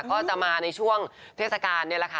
ก็จะมาในช่วงเทศกาลนี่แหละค่ะ